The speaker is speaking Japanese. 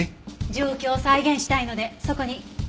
状況を再現したいのでそこに。